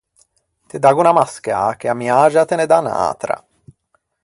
Te daggo unna mascâ che a miagia a te ne dà unn’atra.